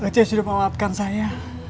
cik sudah menguatkan saya